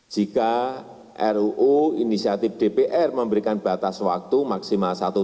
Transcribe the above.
jika ruu inisiatif dpr memberikan batas waktu maksimal satu tahun